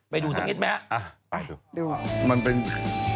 ไปดูสักนิดมั้ยฮะไปดู